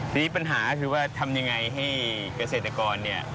ทีนี้ปัญหาคือว่าทำยังไงให้เกษตรกรเนี่ย